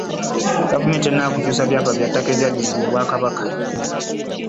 Gavumenti tennaba kukyusa byapa by’ettaka eryaddizibwa Obwakabaka